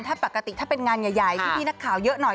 ถ้าปกติถ้าเป็นงานใหญ่พี่นักข่าวเยอะหน่อย